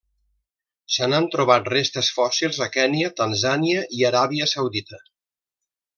Se n'han trobat restes fòssils a Kenya, Tanzània i Aràbia Saudita.